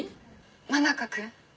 真中君？